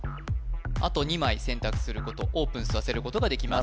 あと２枚選択することオープンさせることができます